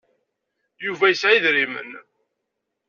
Yuba yesɛa idrimen.